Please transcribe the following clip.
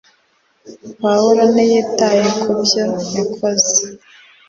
Pawulo ntiyitaye ku byo yakoze